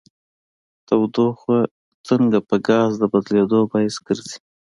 تودوخه څنګه په ګاز د بدلیدو باعث ګرځي؟